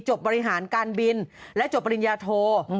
บริหารการบินและจบปริญญาโท